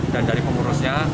dan dari pengurusnya